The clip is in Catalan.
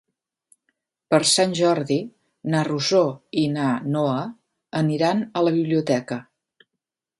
Per Sant Jordi na Rosó i na Noa aniran a la biblioteca.